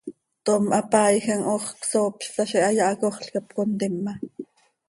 Tom hapaaijam hoox csoop z itaazi, hayaa hacoxl cap contima.